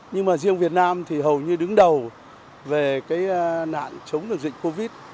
nhưng mà riêng việt nam thì hầu như đứng đầu về cái nạn chống được dịch covid